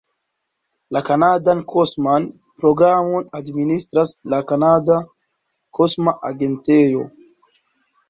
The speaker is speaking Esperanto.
La kanadan kosman programon administras la Kanada Kosma Agentejo.